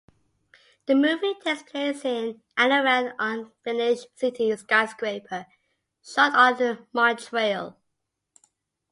The movie takes place in and around an unfinished city skyscraper, shot in Montreal.